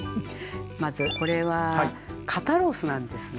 まずこれは肩ロースなんですね。